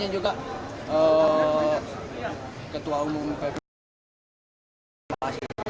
kau ini juga ketua umum ppp